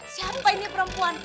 siapa ini perempuan